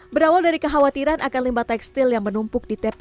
berawal dari kekhawatiran akan limbah tekstil yang menumpuk di tpa dan sugai